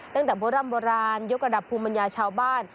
ตั้งแต่โบราณโยกระดับภูมิบรรยาชาวบ้าน